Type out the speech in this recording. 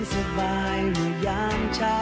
แสนจะยังสบายหรือยานเช้า